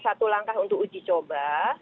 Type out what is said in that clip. satu langkah untuk uji coba